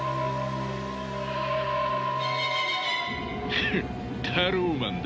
フッタローマンだ。